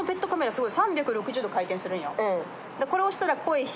すごいね。